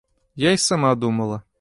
Я і сама думала.